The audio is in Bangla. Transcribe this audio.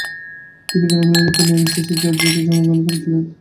তিনি গ্রামীণ এলাকা ন্যারোস, জর্জিয়া তে জন্মগ্রহণ করেছিলেন।